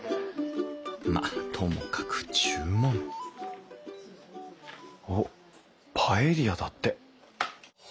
まあともかく注文おっパエリアだって。